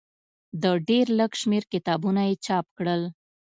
د ډېر لږ شمېر کتابونه یې چاپ کړل.